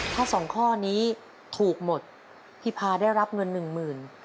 ถ้าสองข้อนี้ถูกหมดพี่พาได้รับเงินหนึ่งหมื่น